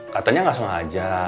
katanya gak sengaja